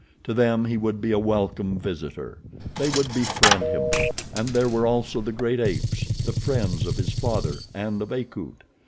To them he would be a welcome visitor. They would befriend him. And there were also the great apes—the friends of his father and of Akut.